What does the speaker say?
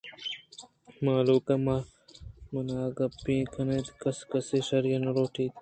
مهلوک مناپِکی کن اَنت کَس کَسی ءَ شَری نہ لوٹ اِیت